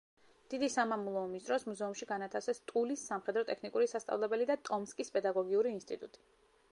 დიდი სამამულო ომის დროს მუზეუმში განათავსეს ტულის სამხედრო-ტექნიკური სასწავლებელი და ტომსკის პედაგოგიური ინსტიტუტი.